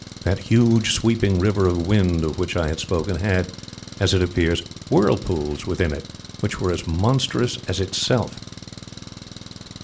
That huge, sweeping river of wind of which I have spoken had, as it appears, whirlpools within it which were as monstrous as itself.